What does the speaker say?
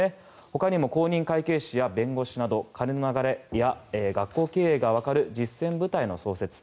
ほかにも公認会計士や弁護士など金の流れや学校経営がわかる実戦部隊の創設